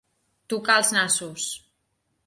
Tocar els nassos.